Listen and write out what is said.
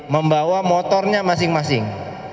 membawa motornya masing masing